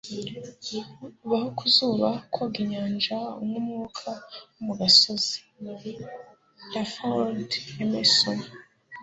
Baho ku zuba, koga inyanja, unywe umwuka wo mu gasozi.” - Ralph Waldo Emerson